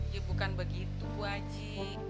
ya bukan begitu bu haji